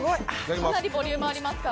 かなりボリュームありますから。